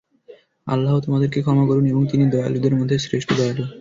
আল্লাহ তোমাদেরকে ক্ষমা করুন এবং তিনি দয়ালুদের মধ্যে শ্রেষ্ঠ দয়ালু।